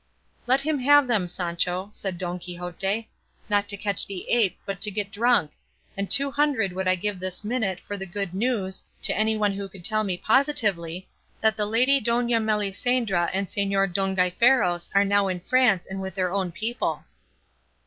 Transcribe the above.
"Let him have them, Sancho," said Don Quixote; "not to catch the ape, but to get drunk; and two hundred would I give this minute for the good news, to anyone who could tell me positively, that the lady Dona Melisandra and Señor Don Gaiferos were now in France and with their own people."